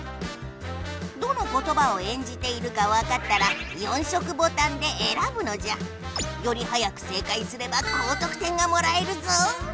どのことばを演じているかわかったら４色ボタンでえらぶのじゃ！より早く正解すれば高とく点がもらえるぞ！